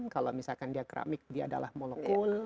kalau misalkan dia keramik dia adalah molekul